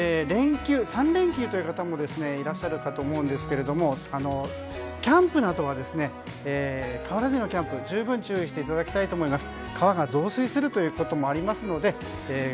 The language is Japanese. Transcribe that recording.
３連休という方もいらっしゃるかと思いますがキャンプなどは川などでのキャンプは十分、注意していただきたいです。